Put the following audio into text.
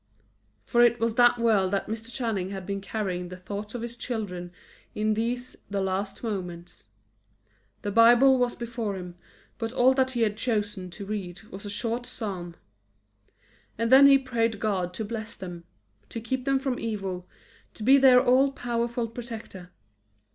For it was to that world that Mr. Channing had been carrying the thoughts of his children in these, the last moments. The Bible was before him, but all that he had chosen to read was a short psalm. And then he prayed God to bless them; to keep them from evil; to be their all powerful protector.